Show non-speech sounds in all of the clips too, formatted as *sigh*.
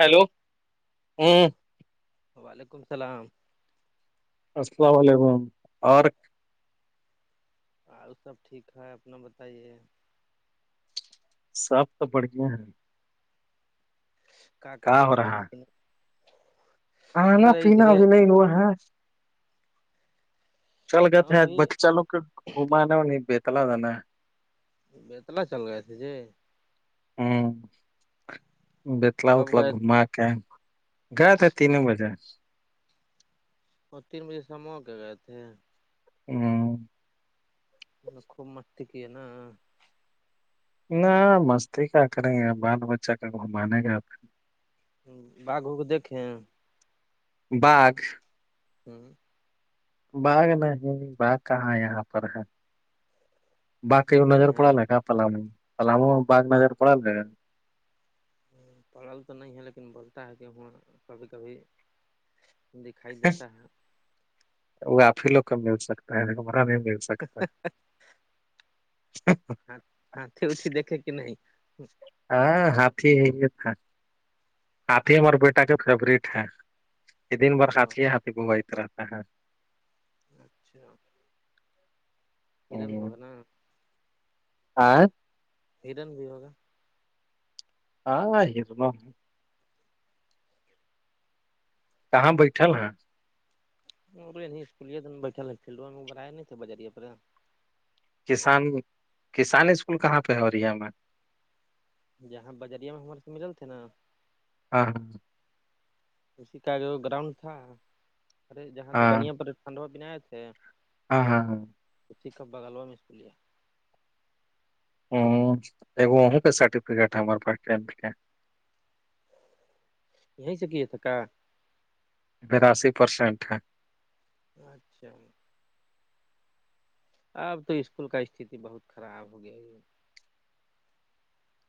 hello ہوں وعلیکم السلام السلام علیکم اور اور سب ٹھیک ہے اپنا بتائیے سب تو بڑھیا ہیں کیا کر رہا ہیں کانا اپنا نہ پینا بھی لین ہاں چل گئے تھے ہم آ بھی بچہ لوگ کو گھمانا اور نہیں بیتلا جانا ہے بیتلا چل گئے تھے جی ہوں بیتلا کب اتلا گئے گھم کے گات بجار وہ تین بجے سمع ہو کے گئے تھے ہاں خوب ماتتے کی ہے نا نہ مستی کیا کریں گے بال بچہ گھمانے گ باگ ہووں کو دیکیں باک ہوں باغ نہیں باغ کہاں یہاں پر ہے بگ کی نظر پڑال ہے کا پلمو پلم بگ نظر پڑال پڑل تو نہیں ہے لیکن بولتا ہے کہ وہاں کبھی کبھی دکھائی دیتا ہے وہ آپ ہی لوگ کا مل سکتا ہے ہمرا نہیں مل سکتا ہے اچا ہاں اچ دیکے کہ نہیں ہاں ہاتھی تھا ہاتھی ہمار بیٹا کے فیورٹ ہے یہ دن بار ہاتھی ہی ہاتھی بو رہتا ہے اچھا ان ہ ہوگنا آ *inaudible* ہڈن بھی ہوگا آ یہ سم کہاں بیٹھل ہیں اور اسکول بیٹھا فڈ نہیں تھ بار کسان کسان اسکول کہاں پہ ہو رہی ہے ہمیں جاں بجریا میں ہمارے س مل تھے نا ہاں ہاں اسی کا جو گراؤنڈ تھا ارے جہاں دکانیا پر کاندہ بینائے آے *unintelligible* ہاں ہاں ہاں کھ کب بگلوا م اس پ لیا *unintelligible* ہگ ا کے سرٹیفکٹ ہے ہمار پاس ٹ کے *unintelligible* یہیں سےکے تھا کا براسی پرسینٹ ہے اچھا *unintelligible* اب تو اسکول کا استتی بہت خراب ہو گیا ہے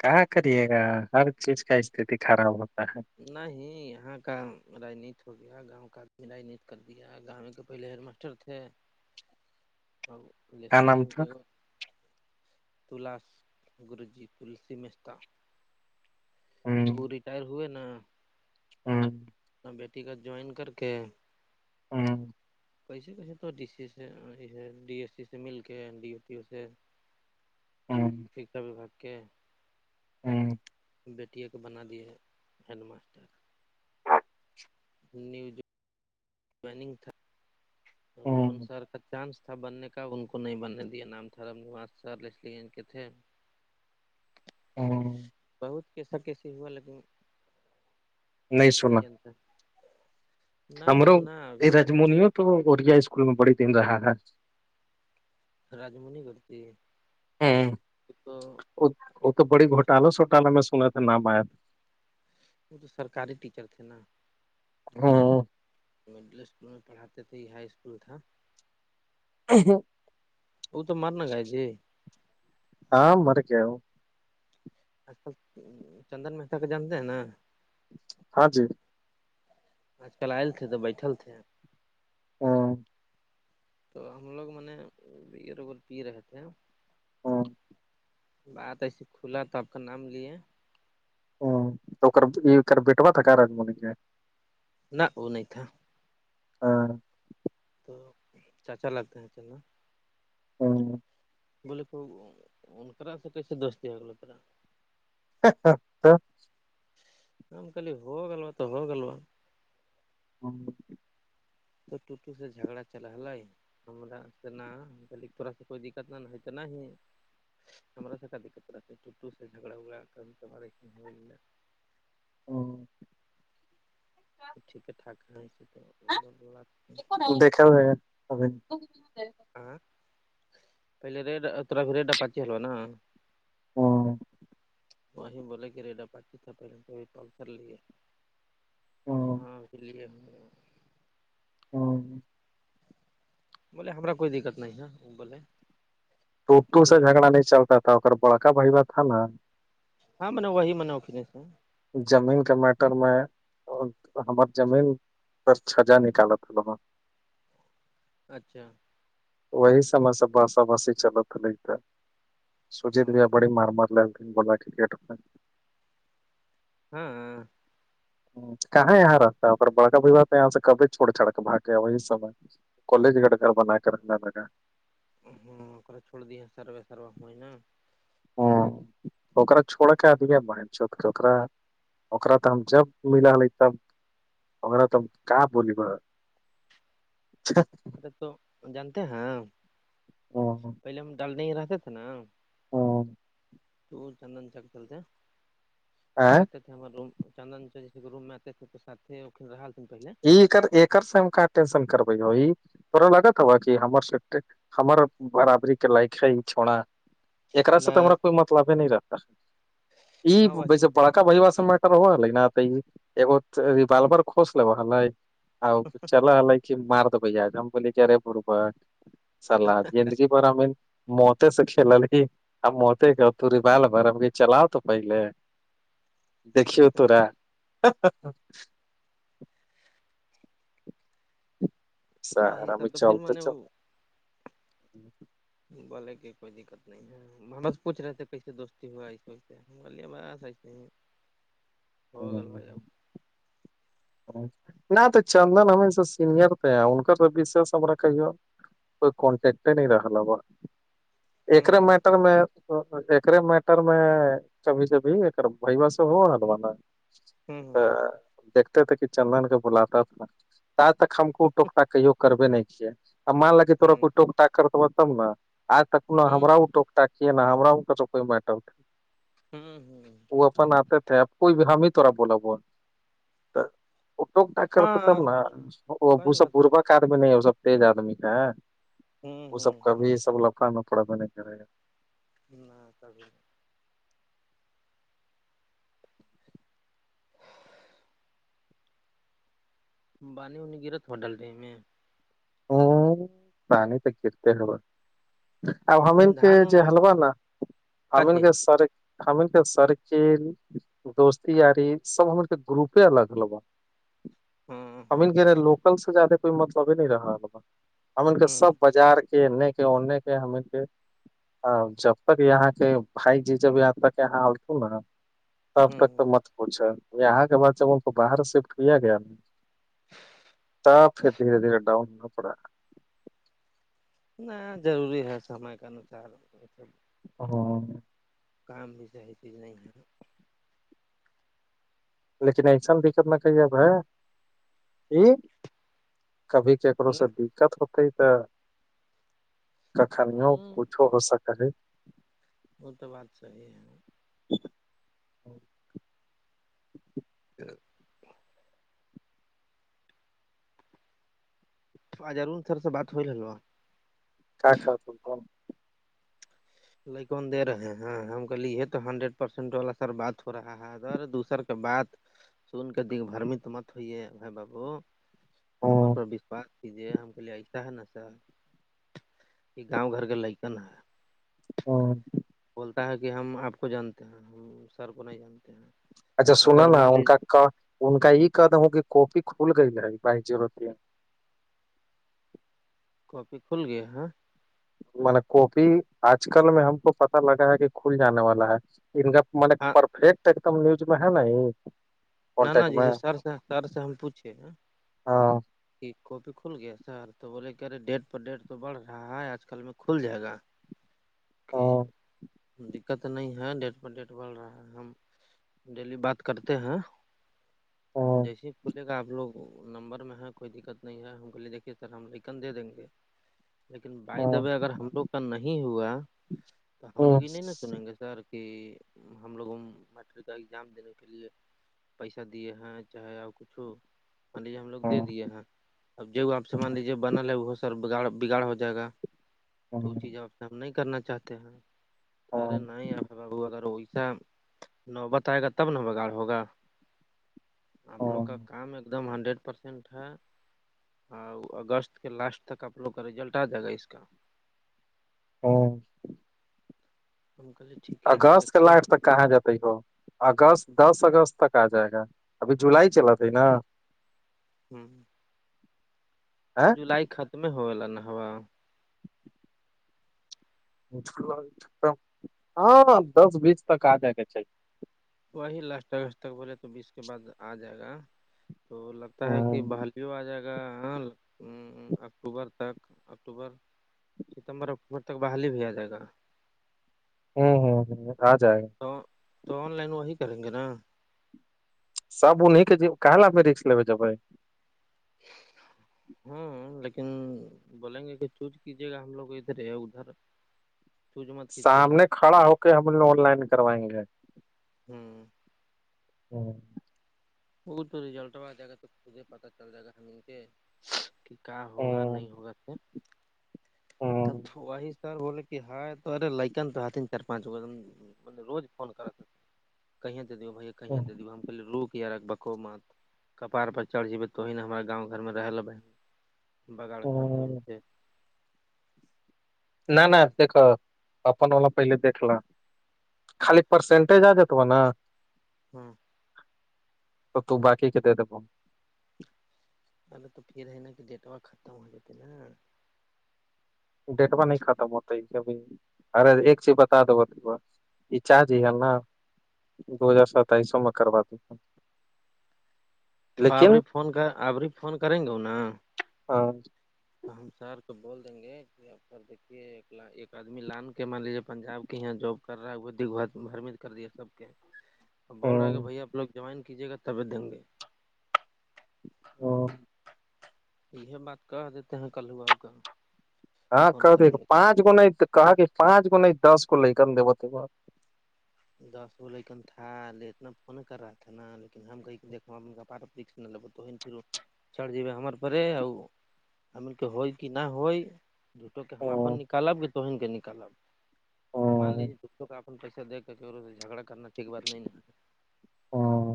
کہ کریے گا ہر چیز کا استتی خراب ہوتا ہے نہیں یہاں کا رجنیت ہو گیا گاؤں کا رانیت کر دیا گاؤں کو پہلے حر میں پٹر تھے *unintelligible* *inaudible* ہ *unintelligible* کیا لسلی نام گنج تھا کے تلاس گروجی تلسی مستتا وہ ریٹائر ہوئے نا ہاں *unintelligible* اپنا بیٹی کا جوائن کر کے *unintelligible* ہاں *unintelligible* کیسے کیسے تو ڈی سی ا سے ہے ڈی ایس سی سے مل کے ڈی او پی او سے *unintelligible* ہاں *unintelligible* شکھا وباگ کے ہوں *unintelligible* بیٹٹیے کے بنا دیے ہیڈ ماسٹر نیو جونگ تھا جو ان ہوں سار کا چانس تھا تھا بننے کا ان کو نہیں بننے دیا نام تھا ر نواس سر کے تھے ہاں *unintelligible* بہت کیسا کیسیے ہوا لیکن نہیں انتا ہمرو رج منی تو اوریا اسکول میں بڑی تٹیم رہا ہے رجمنی کرتی *unintelligible* ہ تو وہ تو بڑی گھوٹالا سھوٹالا میں سنا تھاے نام آیات وہ تو سرکاری ٹیچر تھے نا تھا ہوں مڈل اسکول میں پڑھاتے تھے ہی ہائی اسکول تھا ہ *unintelligible* وہ تو مارنا گئے تھے ہاں مرک اچل چندن مہتا کے جانتے ہیں نا ہاں جی آج کل آئےل تھے تو بیٹھل تھے ہاں *unintelligible* تو ہم لوگ م یہ روول پی رہے تھے ہیں ہاں بات ایسے کھلا تو آپ کا نام لے ہوں تو یہ بیٹوا تھا کا رجملی میں ن ا ن تھا ہاں تو چاچا لگتے ہیں چلنا ہوں *inaudible* بولے کو ان کرا سے کیسے دوست دیا گولے تیرا *inaudible* ہاں ہاں *inaudible* کم خلی ہوگلوا تو ہوگلوا *inaudible* ہاں *inaudible* تو ٹوٹو سے جھگڑا چلال *inaudible* ہم تو نہ ک تھوڑا سا کوئی دقت نہ ہے تو نہیں ہی *inaudible* ہمرا س کا دقت رکھ ٹوٹو سے جھگڑا وگڑا کبھی توارے ہوا *inaudible* ہ *inaudible* ٹیک تھاک *inaudible* جش تو انگ بات *inaudible* دیکھا جائے گا ابھی *inaudible* ہاں پہل ریڈ ترف ریڈا پچ حلو نا *inaudible* ہاں *inaudible* وہیں بولے کہ ریڈا پچی تھا پہلے تو پ کرر لیے *inaudible* تو ہوں ہاں اسی لیے ہم *inaudible* ہوں *inaudible* بولے ہما کوئی دقت نہیں ہے وہ بولے ٹوٹو سے جھگڑا نہیں چلتا تھا ا بڑکا بیوہ تھا نا *inaudible* ہاں من وہی منا ا ف سے *inaudible* زمین کے میٹر میں ہمار جمین *inaudible* سر سھجا نکال ہلواں *inaudible* اچھا وہی سے س باسا بسیی چلت رہے ت *inaudible* سوجیت بھییا ہاں بڑی مار مار ل ت بولا یکٹ *inaudible* ہاں کہاں یہاں رہتا ہے ا بڑکا بھیوات ہے یہاں سے کبھی چھوڑ چاڑ کے بھاگ گ وہی سمئے *inaudible* کلج کٹ کر رہرب نا کر رہ انا *inaudible* ہاں چھڑ د ساروے ساروا ہو نا *inaudible* ہا چھوڑ کے اد ب چکا *inaudible* اکا تو ہم جب ملاے تب اا تو ہم کیا بولی گ *inaudible* اچھا *inaudible* ارے تو جانتے ہیں پہلے ہم ڈالنے رہتے تھے نا ہ *inaudible* دور چن جک چلتے ہیں وہ آتے *inaudible* ہم روم چندن چ جی روم میں آتے تھ تو سات ان تھن پہلے *inaudible* ایکر سے ہم کہاں ٹینشن کربی ہوی *inaudible* تھورا لگاات با کہ ہمار س ہمار برابری کے لائکا ہی چھڑا *inaudible* ایکا نہ سے تو ہما کوئی مطلب ہی نہیں رہتا یہ ہاں وہی ویسے میں نے بڑکا بیواس *inaudible* ہوال ن بالر خوش لوا ہلے آ چل ہلے *inaudible* مارتا پہ جے جمپلی کیا رے پرپٹ سلاد یہ *inaudible* مو سے کھیلل ہی مو کا تی بال بر *inaudible* چلاؤ تو پہلے دیکھیو تورا س وہی سب ہمیں تو پھر میں چلتے نے چل *inaudible* جی *inaudible* بولے کے کوئی دقت نہیں ہے ہمار سے پوچھ رہے تھے کیسے دوستی ہوا اس و سے *inaudible* ملیے باسجتے ہیں *inaudible* *inaudible* ہوگل با جؤپ *inaudible* نہ تو چندن ہمیں س سینئر تھے ہیں ان سشس ہم کی *inaudible* کوئی کانٹیکٹ نہیں رہا ہوا ایکرے ہوں مٹر میں تو ایکرے میٹر میں کبھی جبھی ایک بھیو سے ہو ہلوانا ہوں ہ ت کہ چندن کے بلاتا اپنا تج تک ہم کو ٹوکٹا کی کربے نہیں کیے ا مان لک کہ تورا ہوں کوئی ٹوک ٹاک کرتےب تب نا آج تک ہوں ہمر ٹوک تاکیے نا ہم ا کا تو کوئی میٹر ہوں ہوں وہ اپن آتے تھے اب کوئی بھی ہم ہی توورا بولا ہو ٹوکٹ کرتے ہاں تب نا وہ صحیح بسا بات بربا دمی نہیں ہے وہ سب تیز آدمی کا ہے ہوں وہ ہوں سب کبھی ہوں سب لفڑا پڑ نہیں کرے نہ تبھی بانی اننی گرت ہو ڈل رہی میں ا پانی تو گرتے ہوا اب تو ہمین کے دھان جو حلوہ نا حین کاے کے سارے ہم کے سرکل دوست یاری سب ہم کے گروپ الگ الگ ب ہاں *inaudible* ہاں ہم کے ہوں لوکل سے زیادہ کوئی مطلب ہی نہیں رہ با ہم کے سب بازار کہنے کیا اننے کے ہمیں کے جب تک یہاں کے بھائی جی جب یہاں تک یہاں ات نا تب تک تو ہوں مت پوچھا یہاں کے بات جب ان کو باہر شفٹ کیا گیا ن ت پھر دھیرے دھیرے ڈاؤن ہونا پڑا ہے نہ ضروری ہے سمے کے انوسار یہ سب ہ کام بھی صی چ نہیں ہے لیکن ایسا دقت نہ کہی اب ب کہ کبھی کیکو نا سے دقت ہوت ت کخنوں ہوں کچ ھ ہو سکتا ہے وہ تو بات صحیح ہے س جارون سر سے بات ہو لو کیا کا ل کون دے رہے ہیں ہم کہے یہ تو ہنڈریڈ پرسینٹ والا سر بات ہو رہا ہے س دوسر کے بات سن کے د بھرمی تو مت ہوئی ہے بائی بابو ہ ہمار پر بیش پاک ے ہم کے لیے ایسا ہے نا سر یہ گاؤں گھر کے لکن ہے ہ پتا ہے کہ ہم آپ کو جانتے ہیں ہم سر کو نہیں جانتے ہیں اچھا سنا اگر نا مان ان لیجیے کا ان کا یہ کہد ہوں کہ کاپی کھل گئی ہےی بائی جیرو تھری کاپی کھل گیا ہ ملب کاپی آج کل میں ہم کو پت لگا ہے کہ کھل جانے والا ہے ان کا م ہاں پرفیکٹ ایک دم نیوز میں ہے ن ن نا جیس سر سے سر سے ہم پوچھیے ہاں کہ کاپی کھل گیا سر تو بولے کہرے ڈیٹ پر ڈیٹ تو بڑھ رہا ہے آج کل میں کھل جائے گا *inaudible* کہ دقت نہیں ہے ڈیٹ پر ڈیٹ بڑھ رہا ہے ہم ڈیلی بات کرتے ہیں ہاں جیسے پھلے کا آپ لوگ نمبر میں ہے کوئی دقت نہیں ہے ہم کہ لیے دیکھیے سر ہم لیکن دے دیں گے لیکن بائی ہاں دبے اگر ہم لوگ کا نہیں ہوا تو ہم ہاں لوگ یہ نہیں نا سنیں گے سر کہ ہم لوگوں میٹرک کا ایگزام دینے کے لیے پیسہ دیے ہیں چاہے اور کچھ ہو مان لیجیے ہم لو دے ہاں دیے ہیں اب ج آپ مان لیجیے بنل وہ سر بگاڑ بگاڑ ہو جائے گا تو وہ چیز آپ سے ہم نہیں کرنا چاہتے ہیں ہاں ارے نہیں ا بو اگر ویسا نوبت آئے گا تب ن بگاڑ ہوگا آپ لوگ کا ہاں کام ایک دم ہنڈریڈ پرسینٹ ہے ہاں اگست کے لاسٹ تک آپ لوگ کا ریزلٹ آ جائے گا اس کا ہ ہم کہے ٹھیک ہے اگست کے دیکھتے ہیں لاسٹ تک کہاں جتا ہو اگست دس اگست تک آ جائے گا ابھی جولائی چلات ہے نا ہوں تو جولائی ختم ہوا نا ہوا ہاں دس بیس تک آ جائے کے چاہی وہی لاسٹ اگست تک بولے تو بیس کے بعد آ جائے گا تو لگتا ہے ہوں کہ بال بھی آ جائے گا ا اکتوبر تک اکتوبر ستمبر اکتوبر تک بحالی بھی آ جائے گا ہوں ہوں ہ را جائے گ تو تو آن لائن وہی کریں گے نا سب انیں کے جی کہ ل میں رکس لےے جب ج ہ ہاں لیکن بولیں گے کہ چوز کیجیے گا ہم لوگ ادھر ہے ادھر چوز مت کیجیے گا سامنے کھڑا ہو کے ہم نے آن لائن کروائی ہے ہوں ہوں وہ تو رزلٹ ہوا د گا توجھے پتا چل جائے گا ہم مل کے کہ کیا ہوگا ہ نہیں ہوگا پھر تب ہ وہی سر بول کہ ہائے تو ارے لائکن تو ہ تین چار پانچ بے نے روز فون کرا س کہ دے دی بھیا کہیں دے دی ہم کہہلے روک یا رک بکو مات کپار پر چڑھ جبے توی ن ہمار گاں گھر میں رہ لبے بگڑ کر تو سے نہ نہ دیکھا اپن وہلا پہل دیکھلا خالی پرسنٹیج آ جتبا نا ہاں تو تو باقی کتے دب الے تو پھر ہے نا کہ ڈیٹ وا ختم ہو جاتتے نا ڈیٹوا نہیں ختم ہوتاب ارے ایک چیز بتا دو یہ چارج ہے ن دو ہزار ستائیسو میں کر د اب لیکن فون کر اب بھی فون کریں گے نا ہاں تو ہم سر کو بول دیں گے کہ ار دیکھیے ایک آدمی لان کے مان لیجیے پنجاب کی یہاں جاب کر رہا ہے بھرمیت کر دیا ہے سب کے اب بول رہا ہے کہ بھ آپوگ جوائن کیجیے گابعتیں گے اور یہ بات کر دیتے ہیں کل ہواؤ کا ہاں کہ دیک پانچ گو نہیں کہ کہ پانچ گو نہیں دس گ لے کر ب دس گ لیکن تھا ل اتنا فون کر رہا تھا نا لیکن ہم کہ دھ ل ب تو پھر چاڑ جیے ہمار پ آ ہملک ہو کہ نہ ہو جھوٹو کے ہم اپ ہاں نکالب کہ توہین کے نکالب مان ہاں لیجے جھٹوں کا اپ پیسہ دے سے جھگڑا کرنا ٹھک بات نہیں ہاں